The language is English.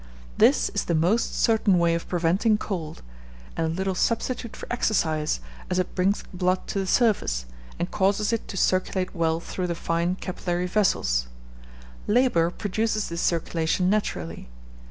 This is the most certain way of preventing cold, and a little substitute for exercise, as it brings blood to the surface, and causes it to circulate well through the fine capillary vessels. Labour produces this circulation naturally.